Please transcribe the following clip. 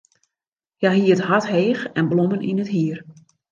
Hja hie it hart heech en blommen yn it hier.